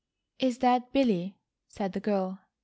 "Is that Billy?" said the girl.